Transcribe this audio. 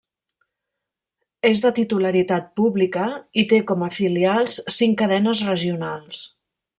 És de titularitat pública i té com a filials cinc cadenes regionals.